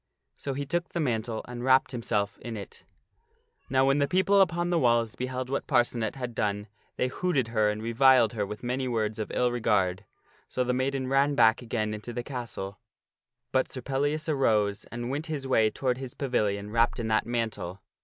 So he took the mantle and wrapped himself in it. Now when the people upon the walls beheld what Parcenet had done, they hooted her and reviled her with many words of ill regard. So the maiden ran back again into the castle, but Sir Pellias arose and went his way toward his pavilion wrapped in that mantle.